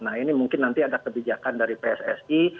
nah ini mungkin nanti ada kebijakan dari pssi